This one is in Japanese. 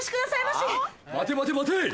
待て待て待て！